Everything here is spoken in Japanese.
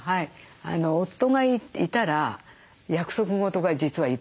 夫がいたら約束事が実はいっぱいあってですね。